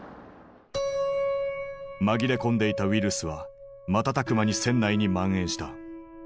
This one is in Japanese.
紛れ込んでいたウイルスは瞬く間に船内に蔓延した。